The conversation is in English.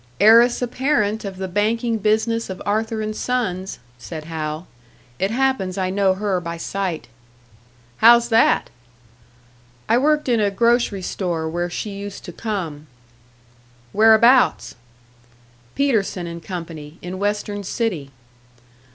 "Heiress apparent of the banking business of Arthur and Sons," said Hal. "It happens I know her by sight." "How's that?" "I worked in a grocery store where she used to come." "Whereabouts?" "Peterson and Company, in Western City."